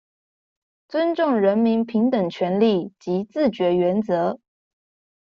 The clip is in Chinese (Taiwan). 尊重人民平等權利及自決原則